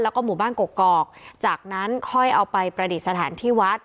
แล้วก็หมู่บ้านกกอกจากนั้นค่อยเอาไปประดิษฐานที่วัด